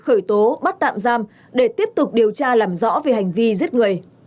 khởi tố bắt tạm giam để tiếp tục điều tra làm rõ về hành vi giết người